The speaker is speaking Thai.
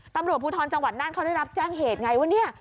ตำรวจภูทรจังหวัดน่านเขาได้รับแจ้งเหตุไงว่าเนี่ย